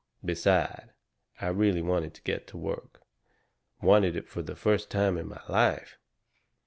Beside, I really wanted to get to work wanted it for the first time in my life.